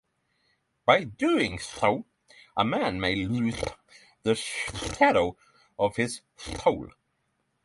By doing so, a man may lose the shadow of his soul.